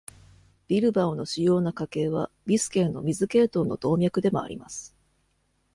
ビルバオの主要な河系は、ビスケーの水系統の動脈でもあります。